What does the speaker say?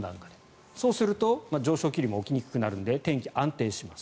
そうすると上昇気流も起きにくくなるので天気が安定します。